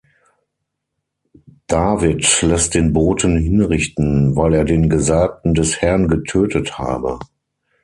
David lässt den Boten hinrichten, weil er den Gesalbten des Herrn getötet habe.